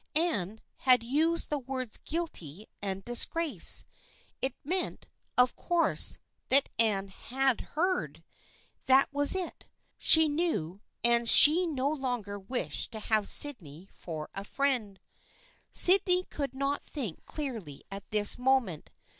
Anne had used the words " guilty " and " disgrace." It meant, of course, that Anne had heard I That was it. She knew, and she no longer wished to have Sydney for a friend. THE FKIENDSHIP OF ANNE 101 Sydney could not think clearly at this moment.